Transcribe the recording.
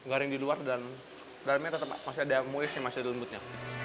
garing di luar dan dalamnya tetap masih ada mui sih masih ada lembutnya